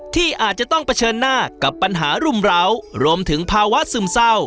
ที่อาจจะต้องเผชิญหน้ากับปัญหารุมร้าวรวมถึงภาวะซึมเศร้า